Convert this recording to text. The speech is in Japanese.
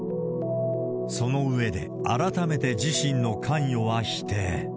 その上で、改めて自身の関与は否定。